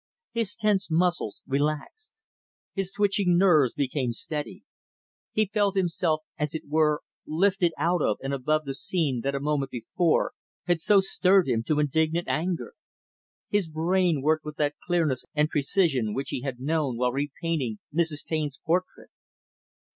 His tense muscles relaxed. His twitching nerves became steady. He felt himself as it were, lifted out of and above the scene that a moment before had so stirred him to indignant anger. His brain worked with that clearness and precision which he had known while repainting Mrs. Taine's portrait.